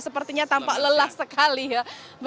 sepertinya tampak lelah sekali ya